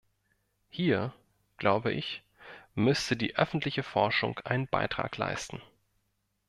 Hier, glaube ich, müsste die öffentliche Forschung einen Beitrag leisten.